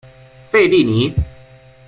费蒂尼。